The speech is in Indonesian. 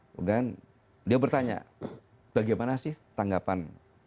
kemudian dia bertanya bagaimana sih tanggapan